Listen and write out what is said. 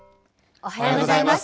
おはようございます。